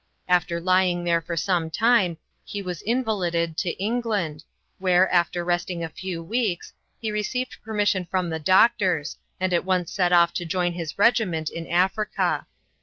After lying there for some time he was invalided to England, where, after resting a few weeks, he received permission from the doctors, and at once set off to join his regiment in Africa.